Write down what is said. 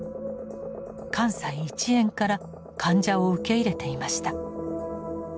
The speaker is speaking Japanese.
関西一円から患者を受け入れていました。